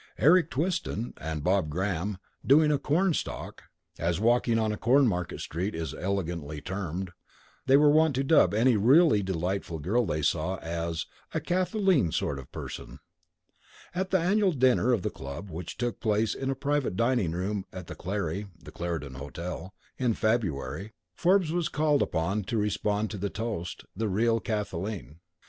Eric Twiston and Bob Graham, "doing a Cornstalk" (as walking on Cornmarket Street is elegantly termed) were wont to dub any really delightful girl they saw as "a Kathleen sort of person." At the annual dinner of the club, which took place in a private dining room at the "Clarry" (the Clarendon Hotel) in February, Forbes was called upon to respond to the toast "The Real Kathleen."